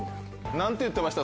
何て言ってました？